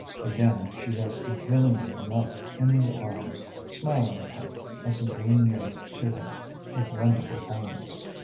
Again she rested willingly enough in his arms, smiling at him, as he drew near to her, with wonderful kindness.